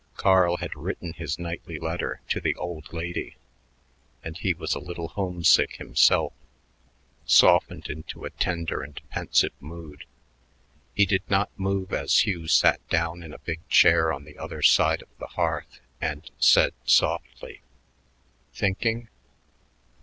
Carl had written his nightly letter to the "old lady," and he was a little homesick himself softened into a tender and pensive mood. He did not move as Hugh sat down in a big chair on the other side of the hearth and said softly, "Thinking?"